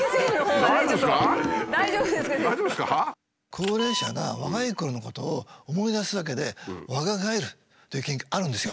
高齢者が若いころのことを思い出すだけで若返るという研究あるんですよ。